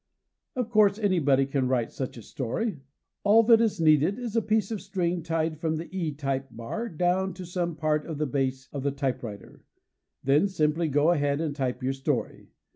Of course anybody can write such a story. All that is needed is a piece of string tied from the E type bar down to some part of the base of the typewriter. Then simply go ahead and type your story.